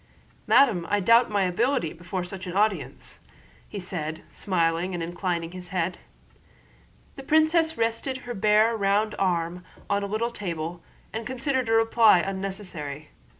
"Madame, I doubt my ability before such an audience," said he, smilingly inclining his head. The princess rested her bare round arm on a little table and considered a reply unnecessary.